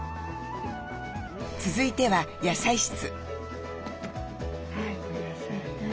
続いては野菜室。